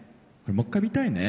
もう一回見たいね。